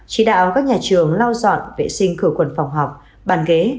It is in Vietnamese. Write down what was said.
chỉ đạo các nhà trường lau dọn vệ sinh cửa quần phòng học bàn ghế